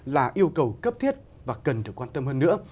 là yêu cầu cấp thiết và cần được quan tâm hơn nữa